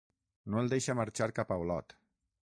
No el deixa marxar cap a Olot.